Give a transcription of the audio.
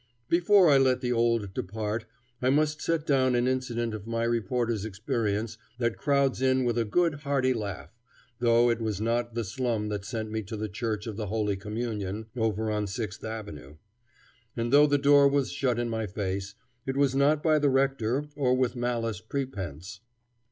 Before I let the old depart I must set down an incident of my reporter's experience that crowds in with a good hearty laugh, though it was not the slum that sent me to the Church of the Holy Communion over on Sixth Avenue. And though the door was shut in my face, it was not by the rector, or with malice prepense.